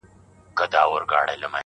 کوټ کوټ دلته کوي، هگۍ بل ځاى اچوي.